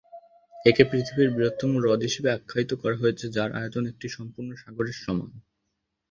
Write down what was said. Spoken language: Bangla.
একে পৃথিবীর বৃহত্তম হ্রদ হিসেবে আখ্যায়িত করা হয়েছে যার আয়তন একটি সম্পূর্ণ সাগরের সমান।